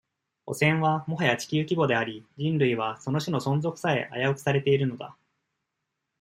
汚染は、もはや地球規模であり、人類は、その、種の存続さえ、危うくされているのだ。